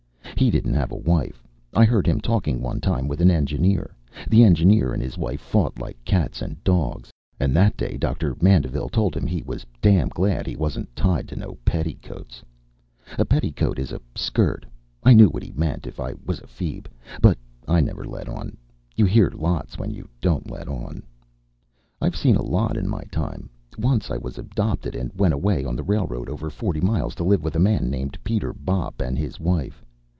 He didn't have a wife. I heard him talking one time with the engineer. The engineer and his wife fought like cats and dogs, and that day Doctor Mandeville told him he was damn glad he wasn't tied to no petticoats. A petticoat is a skirt. I knew what he meant, if I was a feeb. But I never let on. You hear lots when you don't let on. I've seen a lot in my time. Once I was adopted, and went away on the railroad over forty miles to live with a man named Peter Bopp and his wife.